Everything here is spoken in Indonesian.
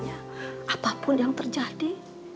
apapun yang terjadi